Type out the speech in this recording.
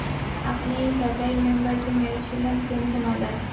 আপনি ভেদাইর মেম্বারকে মেরেছিলেন, কুম্ভ মেলায়।